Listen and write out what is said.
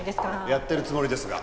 やってるつもりですが。